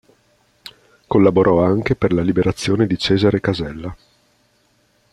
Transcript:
Collaborò anche per la liberazione di Cesare Casella.